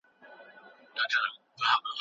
عدالت بايد په ټولنه کي پلی سي.